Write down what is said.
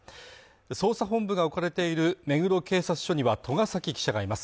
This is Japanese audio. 捜査本部が置かれている目黒警察署には栂崎記者がいます。